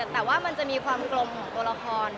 แต่ว่ามันจะมีความกลมของตัวละคร